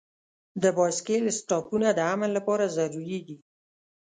د بایسکل سټاپونه د امن لپاره ضروري دي.